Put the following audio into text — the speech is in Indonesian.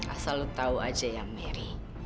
asal lu tahu aja ya merry